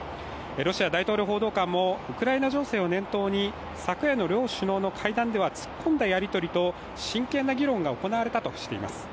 ロシア大統領報道官もウクライナ情勢を念頭に昨夜の両首脳の対談では突っ込んだやり取りと真剣な議論が行われたとしています。